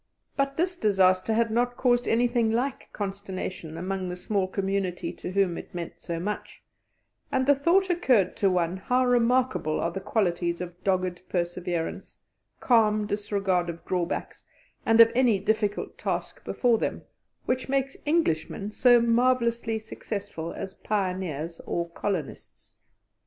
But this disaster had not caused anything like consternation among the small community to whom it meant so much, and the thought occurred to one how remarkable are the qualities of dogged perseverance, calm disregard of drawbacks and of any difficult task before them, which makes Englishmen so marvellously successful as pioneers or colonists.